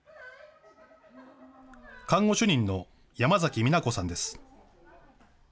看護主任の山嵜美奈子さんです。